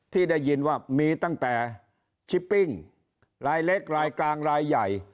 ที่ได้ยินว่ามีตั้งแต่ชิปปิ้งรายเล็กรายกลางรายใหญ่